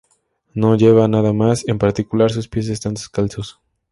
No lleva nada más; en particular, sus pies están descalzos.